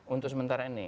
untuk sementara ini